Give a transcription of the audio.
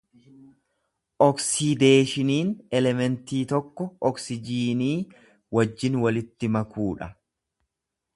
Oksiideeshiniin elementii tokko oksijiinii wajjin walitti makuu dha.